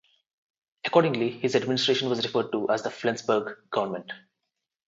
Accordingly, his administration was referred to as the Flensburg government.